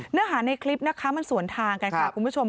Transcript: เนื้อหาในคลิปมันสวนทางกันคุณผู้ชม